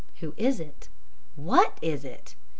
Who is it? WHAT is it?